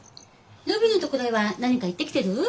ロビーのところへは何か言ってきてる？